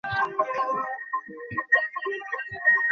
তবে যিনি নৌকা প্রতীক পেয়েছেন, তাঁকে বিজয়ী করতে আমরা কাজ করে যাব।